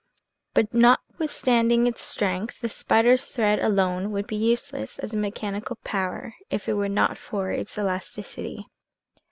But notwith standing its strength, the spider's thread alone would be useless as a mechanical power if it were not for its elasticity.